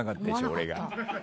俺が。